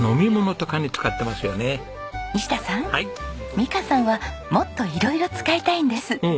美香さんはもっと色々使いたいんです。